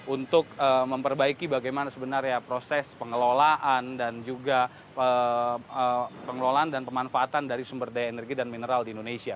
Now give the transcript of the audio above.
untuk memperbaiki bagaimana sebenarnya proses pengelolaan dan juga pengelolaan dan pemanfaatan dari sumber daya energi dan mineral di indonesia